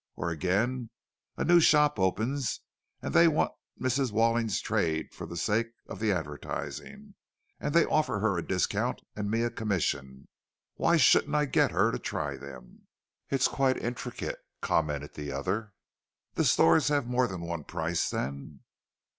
Or again, a new shop opens, and they want Mrs. Walling's trade for the sake of the advertising, and they offer her a discount and me a commission. Why shouldn't I get her to try them?" "It's quite intricate," commented the other. "The stores have more than one price, then?"